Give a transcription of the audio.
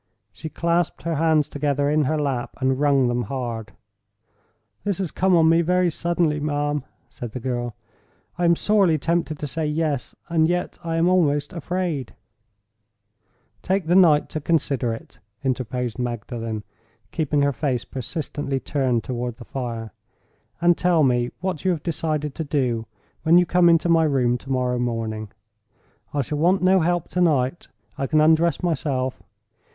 She clasped her hands together in her lap, and wrung them hard. "This has come on me very suddenly, ma'am," said the girl. "I am sorely tempted to say Yes; and yet I am almost afraid—" "Take the night to consider it," interposed Magdalen, keeping her face persistently turned toward the fire; "and tell me what you have decided to do, when you come into my room to morrow morning. I shall want no help to night—I can undress myself.